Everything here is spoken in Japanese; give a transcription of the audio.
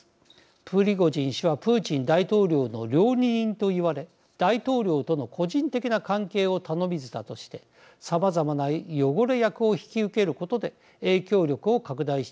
プリゴジン氏はプーチン大統領の料理人といわれ大統領との個人的な関係を頼み綱としてさまざまな汚れ役を引き受けることで影響力を拡大してきました。